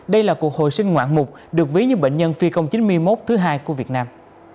đây là cuộc hồi sinh ngoạn mục được ví như bệnh nhân phi công chín mươi một thứ hai của việt nam